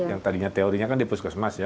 yang tadinya teorinya kan di puskesmas ya